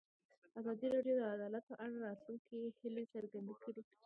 ازادي راډیو د عدالت په اړه د راتلونکي هیلې څرګندې کړې.